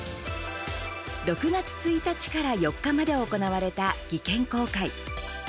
６月１日から４日まで行われた技研公開。